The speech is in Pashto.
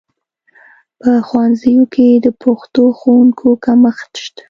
په ښوونځیو کې د پښتو ښوونکو کمښت شته